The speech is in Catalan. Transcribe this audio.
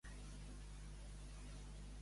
Pasturar en bona part.